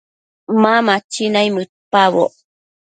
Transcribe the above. Ma machi naimëdpaboc